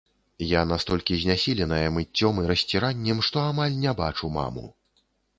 Я настолькі знясіленая мыццём і расціраннем, што амаль не бачу маму.